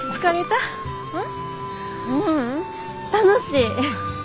ううん楽しい！